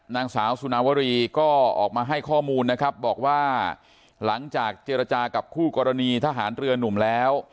นางสาวสุนาวรีก็ออกมาให้ข้อมูลนะครับบอกว่าหลังจากเจรจากับคู่กรณีทหารเรือนุ่มแล้ว